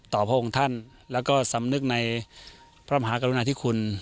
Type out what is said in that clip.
พระองค์ท่านแล้วก็สำนึกในพระมหากรุณาธิคุณ